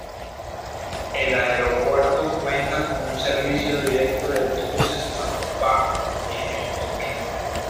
El aeropuerto cuenta con un servicio directo de autobuses a Växjö y Jönköping.